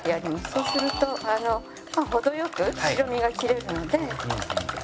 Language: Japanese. そうするとあの程良く白身が切れるので。